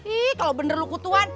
eh kalau bener lu kutuan